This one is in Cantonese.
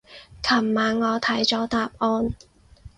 琴晚我睇咗答案